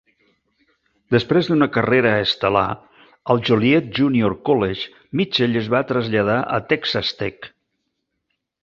Després d"una carrera estel·lar al Joliet Junior College, Mitchell es va traslladar a Texas Tech.